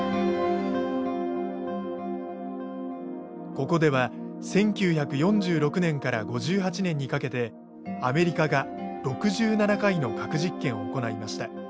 ここでは１９４６年から５８年にかけてアメリカが６７回の核実験を行いました。